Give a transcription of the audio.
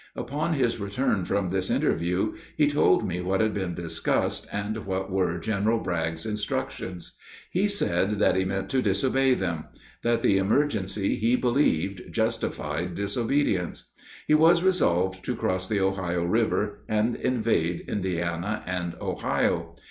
Upon his return from this interview he told me what had been discussed, and what were General Bragg's instructions. He said that he meant to disobey them; that the emergency, he believed, justified disobedience. He was resolved to cross the Ohio River and invade Indiana and Ohio.